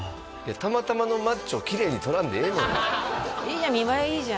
たまたまのマッチョをきれいに撮らんでええのよいいじゃん